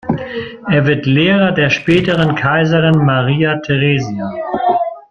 Er wird Lehrer der späteren Kaiserin Maria Theresia.